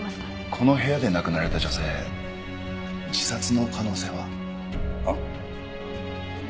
この部屋で亡くなられた女性自殺の可能性は？はっ？えっ？